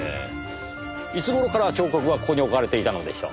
いつ頃から彫刻はここに置かれていたのでしょう？